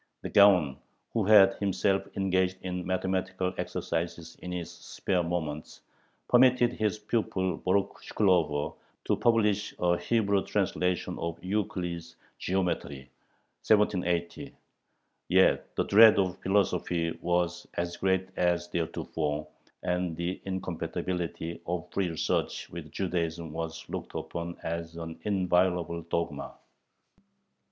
The Gaon, who had himself engaged in mathematical exercises in his spare moments, permitted his pupil Borukh Shklover to publish a Hebrew translation of Euclid's Geometry (1780). Yet the dread of philosophy was as great as theretofore, and the incompatibility of free research with Judaism was looked upon as an inviolable dogma.